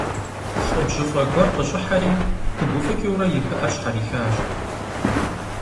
ЛӀы бжьыфӀэ гуэр къыщӀыхьэри, пыгуфӀыкӀыурэ и пыӀэр щхьэрихащ.